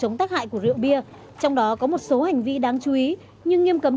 chống tác hại của rượu bia trong đó có một số hành vi đáng chú ý như nghiêm cấm